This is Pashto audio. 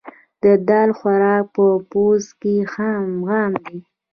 د دال خوراک په پوځ کې عام دی.